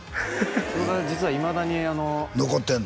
それが実はいまだに残ってんの？